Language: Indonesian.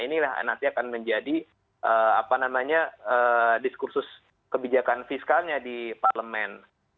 inilah nanti akan menjadi diskursus kebijakan fiskalnya di parlemen